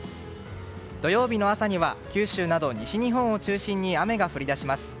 土曜日の朝には九州など西日本を中心に雨が降り出します。